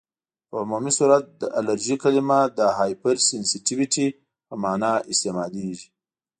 په عمومي صورت د الرژي کلمه د هایپرسینسیټیويټي په معنی استعمالیږي.